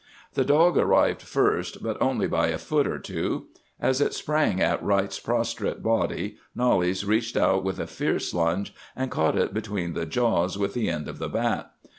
"The dog arrived first, but only by a foot or two. As it sprang at Wright's prostrate body Knollys reached out with a fierce lunge, and caught it between the jaws with the end of the bat.